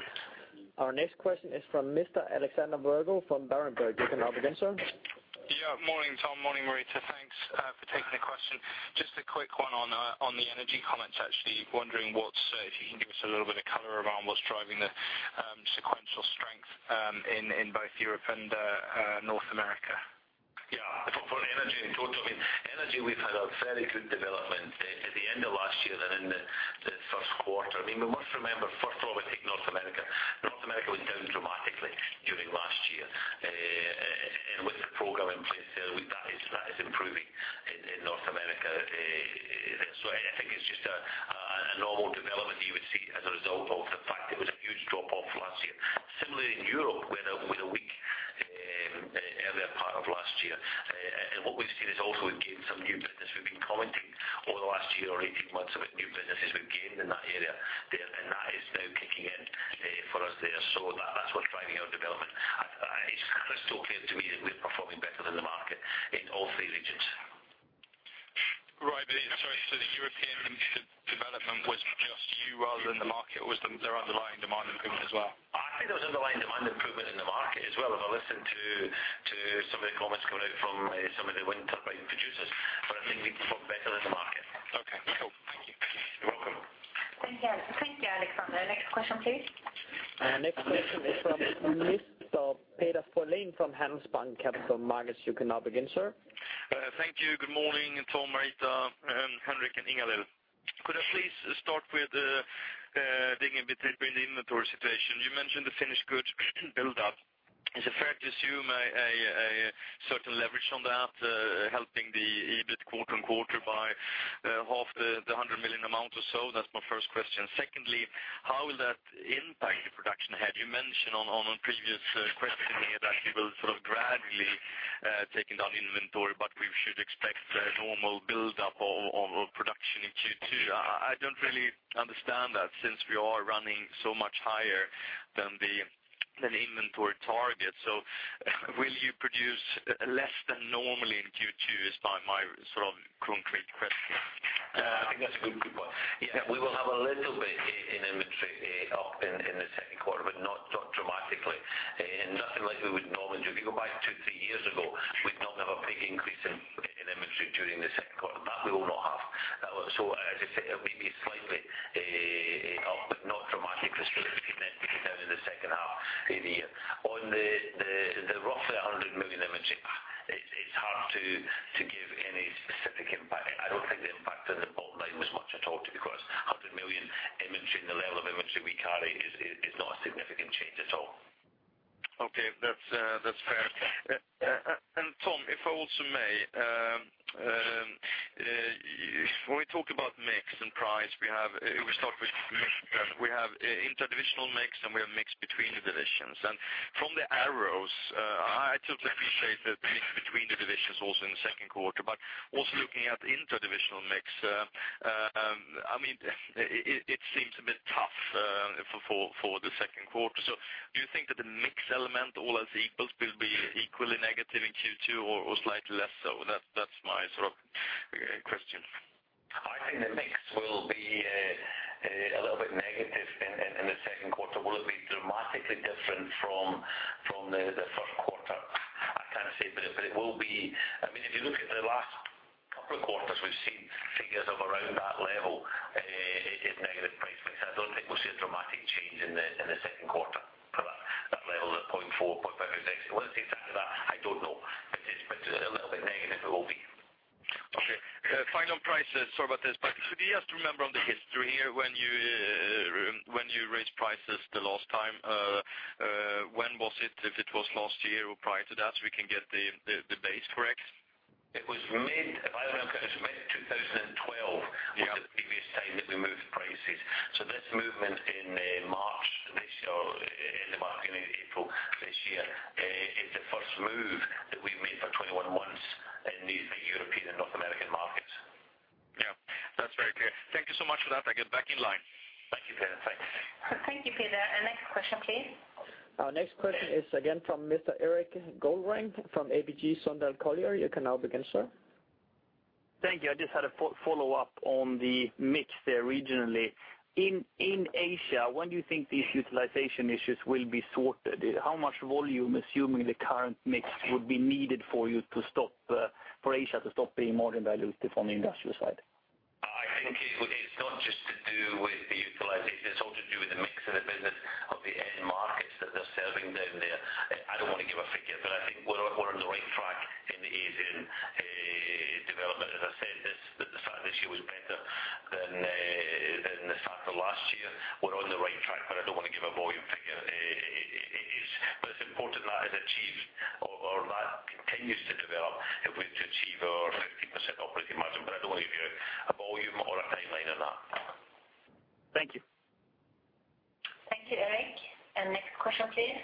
Our next question is from Mr. Alexander Virgo from Berenberg. You can now begin, sir. Yeah. Morning, Tom. Morning, Marita. Thanks for taking the question. Just a quick one on the energy comments, actually. Wondering what's if you can give us a little bit of color around what's driving the sequential strength in both Europe and North America. Yeah, for energy in total, I mean, energy, we've had a very good development at the end of last year than in the first quarter. I mean, we must remember, first of all, we take North America. North America went down dramatically during last year. And with the program in place, that is improving in North America. So I think it's just a normal development that you would see as a result of the fact that it was a huge drop-off last year. Similarly, in Europe, we had a weak earlier part of last year. And what we've seen is also we've gained some new business. We've been commenting over the last year or 18 months about new businesses we've gained in that area there, and that is now kicking in for us there. So that's what's driving our development. It's so clear to me that we're performing better than the market in all three regions. Right. But, sorry, so the European development was just you rather than the market, or was there underlying demand improvement as well? I think there was underlying demand improvement in the market as well, as I listened to some of the comments coming out from some of the wind turbine producers, but I think we performed better than the market. Okay, cool. Thank you. You're welcome. Thank you. Thank you, Alexander. Next question, please. Next question is from Mr. Peder Frölén from Handelsbanken Capital Markets. You can now begin, sir. Thank you. Good morning, Tom, Marita, and Henrik, and Ingalill. Could I please start with digging between the inventory situation? You mentioned the finished goods build up. Is it fair to assume a certain leverage on that, helping the EBIT quarter on quarter by 50 million or so? That's my first question. Secondly, how will that impact the production? Had you mentioned on a previous question here that you will sort of gradually taking down inventory, but we should expect a normal buildup of production in Q2. I don't really understand that since we are running so much higher than the inventory target. So will you produce less than normally in Q2, is my sort of concrete question. I think that's a good, good one. Yeah, we will have a little bit in inventory up in the second quarter, but not dramatically. And nothing like we would normally do. If you go back 2, 3 years ago, we'd normally have a big increase in inventory during the second quarter. That we will not have. So as I said, it may be slightly up, but not dramatically, because then we be down in the second half of the year. On the roughly 100 million inventory, it's hard to give any specific impact. I don't think the impact on the bottom line was much at all, because 100 million inventory and the level of inventory we carry is not a significant change at all. Okay, that's fair. And Tom, if I also may, when we talk about mix and price, we have, we start with mix. We have interdivisional mix, and we have mix between the divisions. And from the arrows, I totally appreciate the mix between the divisions also in the second quarter, but also looking at the interdivisional mix, I mean, it seems a bit tough for the second quarter. So do you think that the mix element, all else equals, will be equally negative in Q2 or slightly less so? That's my sort of question. I think the mix will be, a little bit negative in, in the second quarter. Will it be dramatically different from, from the, the first quarter? I can't say, but it, but it will be... I mean, if you look at the last couple of quarters, we've seen figures of around that level, in negative price mix. I don't think we'll see a dramatic change in the, in the second quarter for that, that level of 0.4, 0.5%. Will it be exactly that? I don't know. But it, but a little bit negative it will be. Okay. Final price, sorry about this, but could you just remember on the history here, when you, when you raised prices the last time, when was it? If it was last year or prior to that, so we can get the base correct. It was mid, if I remember, it was mid-2012- Yeah. -was the previous time that we moved prices. So this movement in, March this year, or in the market in April this year, is the first move that we've made for 21 months in the European and North American markets. Yeah, that's very clear. Thank you so much for that. I get back in line. Thank you, Peder. Thanks. Thank you, Peder. Next question, please. Our next question is again from Mr. Erik Golrang from ABG Sundal Collier. You can now begin, sir. Thank you. I just had a follow-up on the mix there regionally. In Asia, when do you think these utilization issues will be sorted? How much volume, assuming the current mix, would be needed for you to stop, for Asia to stop being more dilutive on the industrial side? I think it's not just to do with the—it's all to do with the mix of the business of the end markets that they're serving down there. I don't want to give a figure, but I think we're on the right track in Asian development. As I said, the start of this year was better than the start of last year. We're on the right track, but I don't want to give a volume figure. It is, but it's important that is achieved or that continues to develop if we're to achieve our 50% operating margin. But I don't want to give you a volume or a timeline on that. Thank you. Thank you, Erik. Next question, please.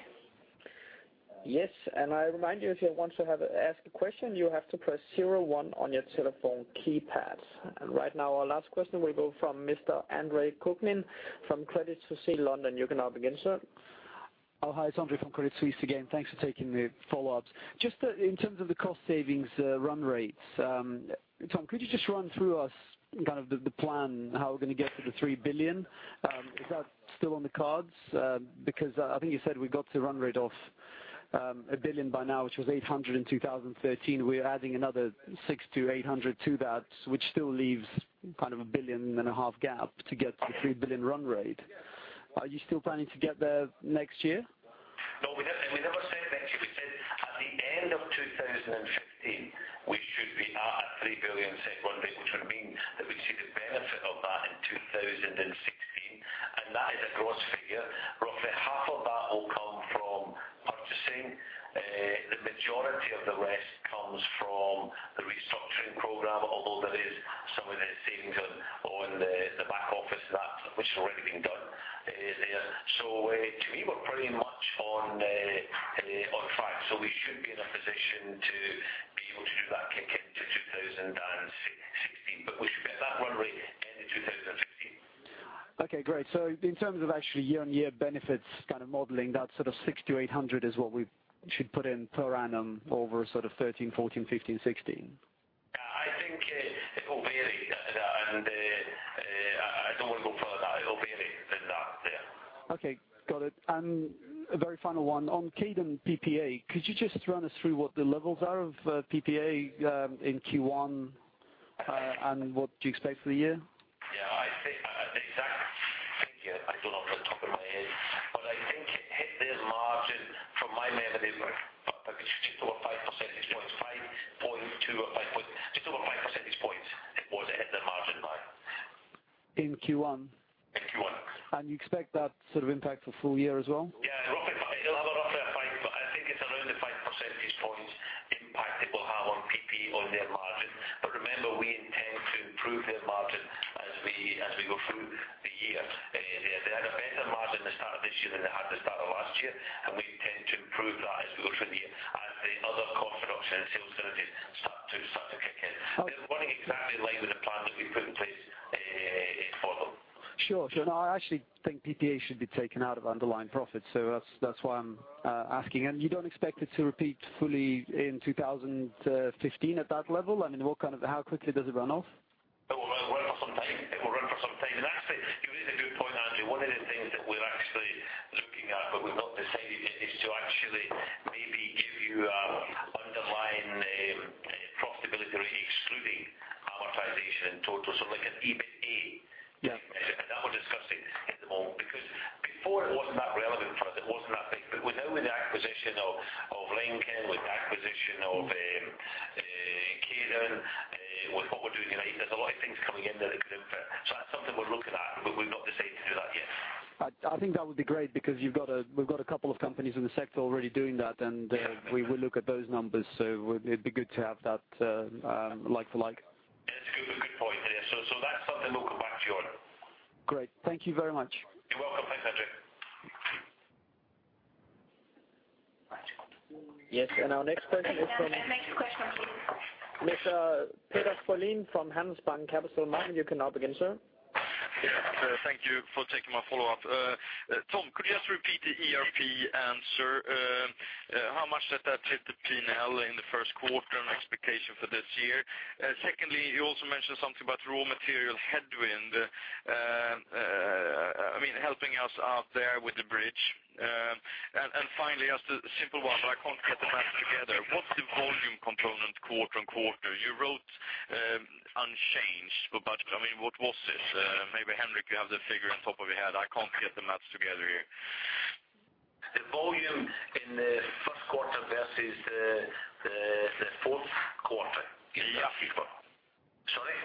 Yes, and I remind you, if you want to ask a question, you have to press zero one on your telephone keypad. And right now, our last question will go from Mr. Andre Kukhnin from Credit Suisse, London. You can now begin, sir. Oh, hi, it's Andre from Credit Suisse again. Thanks for taking the follow-ups. Just in terms of the cost savings run-rates, Tom, could you just run through us kind of the plan, how we're going to get to the 3 billion? Is that still on the cards? Because I think you said we got to run-rate of a 1 billion by now, which was 800 in 2013. We're adding another 600- 800 to that, which still leaves kind of a 1.5 billion gap to get to the 3 billion run-rate. Are you still planning to get there next year? No, we never, we never said next year. We said at the end of 2015, we should be at a 3 billion run-rate, which would mean that we see the benefit of that in 2016, and that is a gross figure. Roughly half of that will come from purchasing. The majority of the rest comes from the restructuring program, although there is some of the savings on, on the, the back office, that which has already been done, is there. So, to me, we're pretty much on, on track. So we should be in a position to be able to do that kick in to 2016, but we should be at that run-rate end of 2015. Okay, great. So in terms of actually year-on-year benefits kind of modeling, that sort of 600-800 is what we should put in per annum over sort of 2013, 2014, 2015, 2016. Yeah, I think it will vary, and I don't want to go further than that. It will vary than that, yeah. Okay, got it. And a very final one. On Kaydon PPA, could you just run us through what the levels are of PPA in Q1, and what do you expect for the year? Yeah, I think the exact figure I don't have on the top of my head, but I think it hit their margin from my memory, just over 5 percentage points, 5.2 or 5 point... Just over 5 percentage points, it was hit the margin by. In Q1? In Q1. You expect that sort of impact for full year as well? Yeah, roughly, it'll have roughly a 5, but I think it's around the 5 percentage points impact it will have on PP, on their margin. But remember, we intend to improve their margin as we go through the year. They had a better margin at the start of this year than they had at the start of last year, and we intend to improve that as we go through the year, as the other cost reduction and sales strategies start to kick in. Okay. They're running exactly in line with the plan that we put in place, for them. Sure. Sure. And I actually think PPA should be taken out of underlying profits. So that's, that's why I'm asking. And you don't expect it to repeat fully in 2015 at that level? I mean, how quickly does it run off? It will run for some time. It will run for some time. Actually, you raise a good point, Andre. One of the things that we're actually looking at, but we've not decided, is to actually maybe give you a underlying profitability rate, excluding amortization in total. So like an EBITA. Yeah. That we're discussing at the moment, because before it wasn't that relevant for us, it wasn't that big. But now with the acquisition of Lincoln, with the acquisition of Kaydon, with what we're doing in UNITE, there's a lot of things coming in that it could impact. So that's something we're looking at, but we've not decided to do that yet. I think that would be great because we've got a couple of companies in the sector already doing that, and Yeah... we will look at those numbers, so it'd be good to have that, like for like. Yes, good, good point. So, so that's something we'll come back to you on. Great. Thank you very much. You're welcome. Thanks, Andre. Our next question is from Mr. Peder Frölén from Handelsbanken Capital Markets. You can now begin, sir. Yes, thank you for taking my follow-up. Tom, could you just repeat the ERP answer? How much does that hit the P&L in the first quarter and expectation for this year? Secondly, you also mentioned something about raw material headwind, I mean, helping us out there with the bridge. And finally, just a simple one, but I can't get the math together. What's the volume component quarter-on-quarter? You wrote, unchanged, but I mean, what was it? Maybe, Henrik, you have the figure on top of your head. I can't get the math together here. The volume in the first quarter versus the fourth quarter? Yeah. Sorry?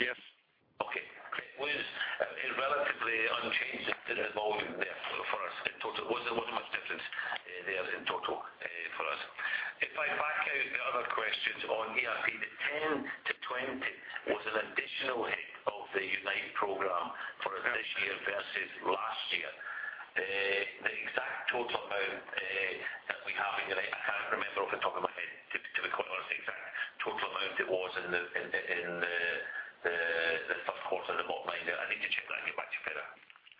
Yes. Okay. It was relatively unchanged, the volume there for us in total. It was, it wasn't much difference there in total for us. If I back out the other questions on ERP, the 10-20 was an additional hit of the UNITE program for this year versus last year. The exact total amount that we have in the right, I can't remember off the top of my head, to be quite honest, the exact total amount it was in the first quarter, the bottom line there. I need to check that and get back to you, Peder.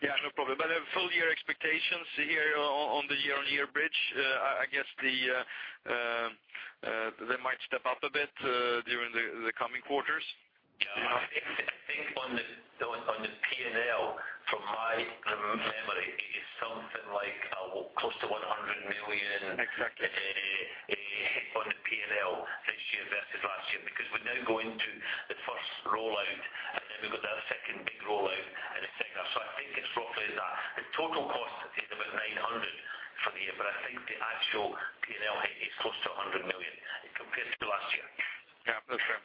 Yeah, no problem. But the full year expectations here on the year-on-year bridge, I guess they might step up a bit, during the coming quarters? Yeah, I think on the P&L, from my memory, it is something like close to 100 million exactly, hit on the P&L this year versus last year, because we're now going to the first rollout, and then we've got the second big rollout in the summer. So I think it's roughly that. The total cost is about 900 million for the year, but I think the actual P&L hit is close to 100 million compared to last year. Yeah, that's fair.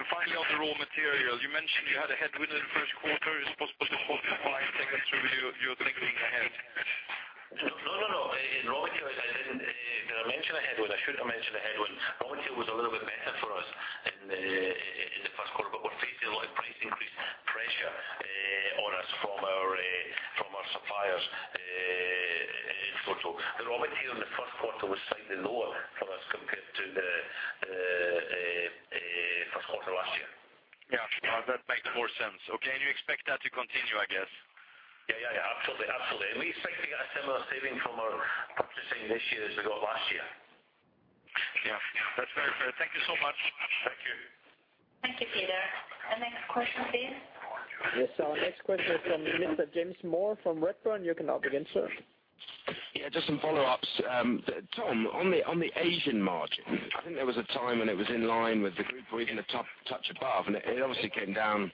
And finally, on the raw material, you mentioned you had a headwind in the first quarter. Is it possible to just walk me through your thinking ahead? No, no, no. In raw material, I didn't. Did I mention a headwind? I shouldn't have mentioned a headwind. Raw material was a little bit better for us in the first quarter, but we're facing a lot of price increase pressure on us from our suppliers. So the raw material in the first quarter was slightly lower for us compared to the first quarter last year. Yeah, that makes more sense. Okay, and you expect that to continue, I guess? Yeah, yeah, yeah, absolutely, absolutely. And we expecting a similar saving from our purchasing this year as we got last year. Yeah, that's very fair. Thank you so much. Thank you. Thank you, Peder. Our next question, please. Yes, our next question is from Mr. James Moore from Redburn. You can now begin, sir. Yeah, just some follow-ups. Tom, on the Asian margin, I think there was a time when it was in line with the group or even a touch above, and it obviously came down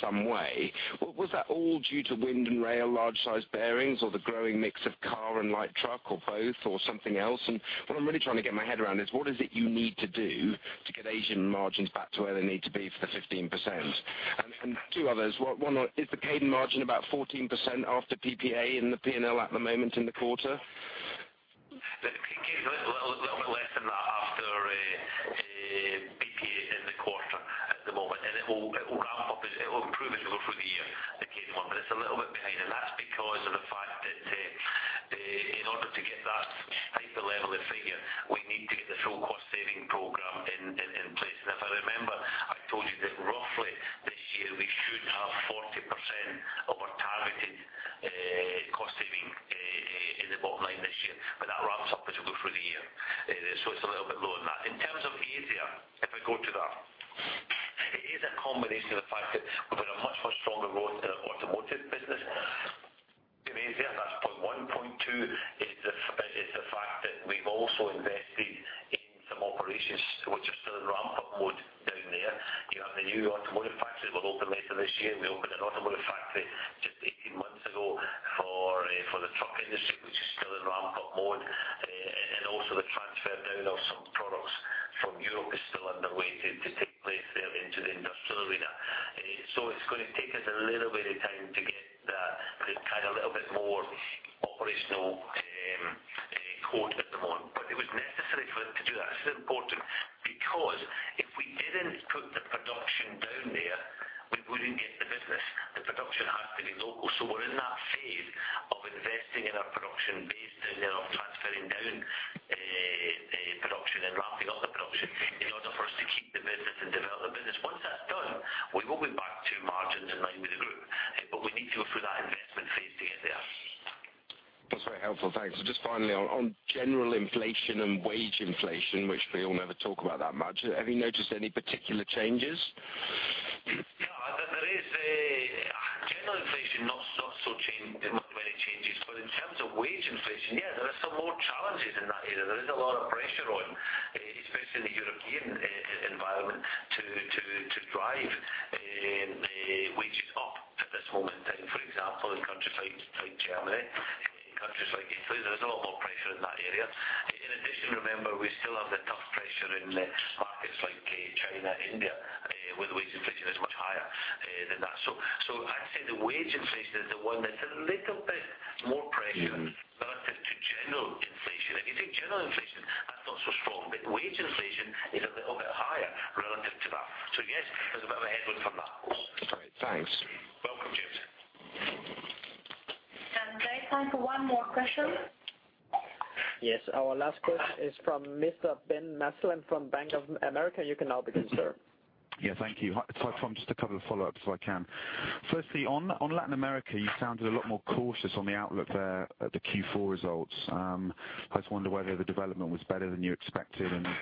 some way. Was that all due to wind and rail, large-sized bearings, or the growing mix of car and light truck, or both or something else? And what I'm really trying to get my head around is what is it you need to do to get Asian margins back to where they need to be for the 15%? And two others, one, is the Kaydon margin about 14% after PPA in the P&L at the moment in the quarter? It's a little bit less than that after PPA in the quarter at the moment, and it will ramp up. It will improve as you go through the year, the Kaydon one, but it's a little bit behind. And that's because of the fact that in order to get that type of level of figure, we need to get the full cost-saving program in place. And if I remember, I told you that roughly this year, we should have 40% of our targeted cost saving in the bottom line this year. But that ramps up as we go through the year. So it's a little bit lower than that. In terms of Asia, if I go to that, it is a combination of the fact that we've finally, on general inflation and wage inflation, which we all never talk about that much, have you noticed any particular changes? Yeah, Yeah, thank you. Just a couple of follow-ups if I can. Firstly, on, on Latin America, you sounded a lot more cautious on the outlook there at the Q4 results. I just wonder whether the development was better than you expected, and, you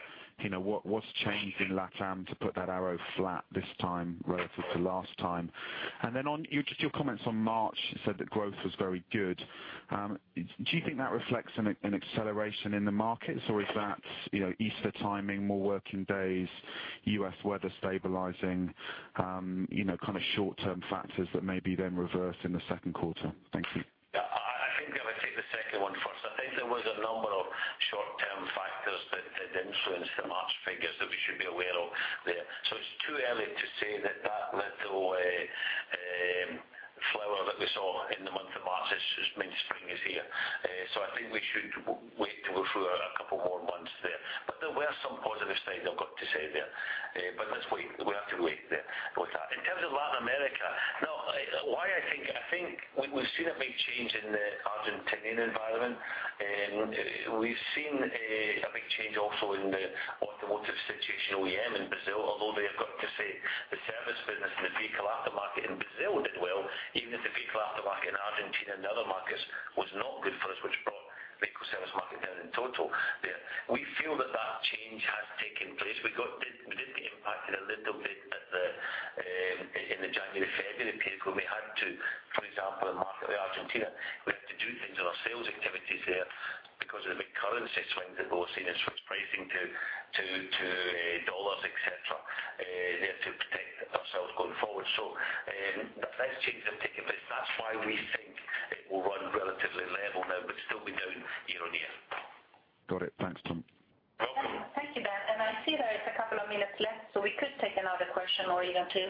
know, what, what's changed in Latin to put that arrow flat this time relative to last time? And then on your, just your comments on March, you said that growth was very good. Do you think that reflects an acceleration in the markets, or is that, you know, Easter timing, more working days, U.S. weather stabilizing, you know, kind of short-term factors that may be then reversed in the second quarter? Thank you. Yeah, I think I would take the second one first. I think there was a number of short-term factors that did influence the March figures that we should be aware of there. So it's too early to say that that little flower that we saw in the month of March just means spring is here. So I think we should wait to go through a couple more months there. But there were some positive signs, I've got to say there. But let's wait. We have to wait there with that. In terms of Latin America, now, why I think... I think we've seen a big change in the Argentine environment, and we've seen a big change also in the automotive situation, OEM in Brazil, although they have got to say the service business and the vehicle aftermarket in Brazil did well, even if the vehicle aftermarket in Argentina and the other markets was not good for us, which brought the vehicle service market down in total there. We feel that that change has taken place. We got, we did get impacted a little bit at the, in the January-February period, when we had to, for example, in the market of Argentina, we had to do things on our sales activities there because of the big currency swings that we've all seen as switch pricing to dollars, et cetera, there to protect ourselves going forward. So, but those changes have taken place. That's why we think it will run relatively level now, but still be down year on year. Got it. Thanks, Tom. Welcome. Thank you, Ben. I see there is a couple of minutes left, so we could take another question or even two.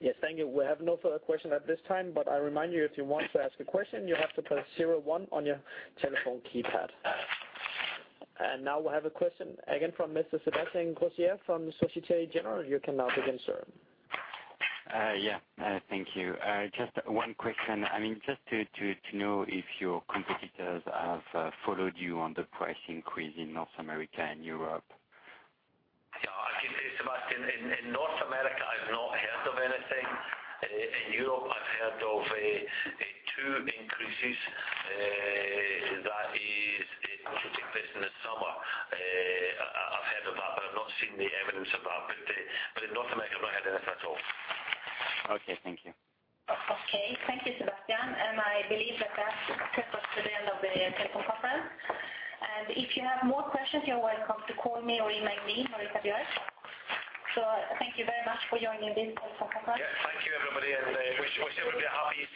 Yes, thank you. We have no further question at this time, but I remind you, if you want to ask a question, you have to press zero one on your telephone keypad. And now we have a question again from Mr. Sebastien Ubert from Société Générale. You can now begin, sir. Yeah, thank you. Just one question. I mean, just to know if your competitors have followed you on the price increase in North America and Europe? Yeah, I can say, Sebastien, in North America, I've not heard of anything. In Europe, I've heard of a two increases, that is, it should take place in the summer. I've heard of that, but I've not seen the evidence of that. But in North America, I've not heard anything at all. Okay, thank you. Okay, thank you, Sebastien. And I believe that, that takes us to the end of the telephone conference. And if you have more questions, you're welcome to call me or email me or if you are. So thank you very much for joining this telephone conference. Yeah, thank you, everybody, and wish everybody a Happy Easter.